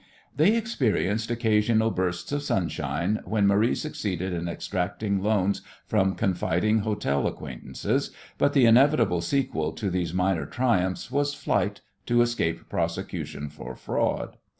They experienced occasional bursts of sunshine when Marie succeeded in extracting loans from confiding hotel acquaintances, but the inevitable sequel to these minor triumphs was flight to escape prosecution for fraud.